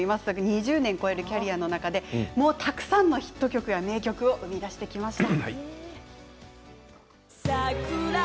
２０年を超えるキャリアの中でたくさんのヒット曲や名曲を生み出してきました。